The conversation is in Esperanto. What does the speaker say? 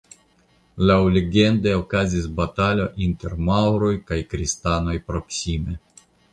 Laŭlegende okazis batalo inter maŭroj kaj kristanoj proksime.